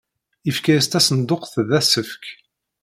Yefka-as tasenduqt d asefk.